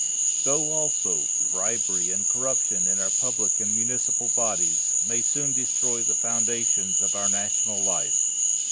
So, also, bribery and corruption in our public and municipal bodies, may soon destroy the foundations of our national life.